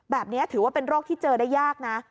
แบบนี้ถือว่าเป็นโรคที่เจอได้ยากนะ